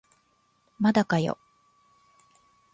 まだかよ